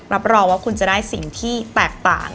รับรองว่าคุณจะได้สิ่งที่แตกต่าง